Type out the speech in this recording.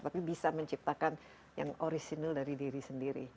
tapi bisa menciptakan yang original dari diri sendiri